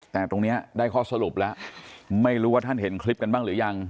แต่ตรงนี้ได้ข้อสรุปแล้วไม่รู้ว่าท่านเห็นคลิปกันบ้างหรือยัง